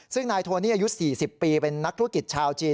ซึ่งนายโทนี่อายุ๔๐ปีเป็นนักธุรกิจชาวจีน